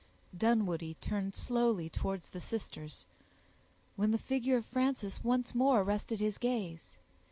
Dunwoodie turned slowly towards the sisters, when the figure of Frances once more arrested his gaze.